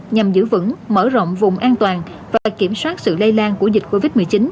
nhằm giữ vững mở rộng vùng an toàn và kiểm soát sự lây lan của dịch covid một mươi chín